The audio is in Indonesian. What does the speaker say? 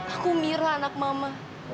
aku mira anak mama